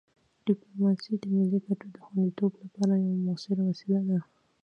ډیپلوماسي د ملي ګټو د خوندیتوب لپاره یوه مؤثره وسیله ده.